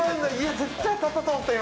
絶対当たったと思った今。